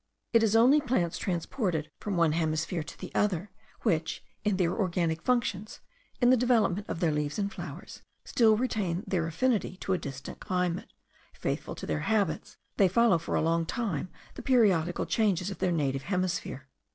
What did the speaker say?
It is only plants transported from one hemisphere to the other, which, in their organic functions, in the development of their leaves and flowers, still retain their affinity to a distant climate: faithful to their habits, they follow for a long time the periodical changes of their native hemisphere.